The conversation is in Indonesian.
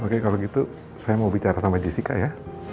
oke kalau begitu saya mau bicara sama jessica ya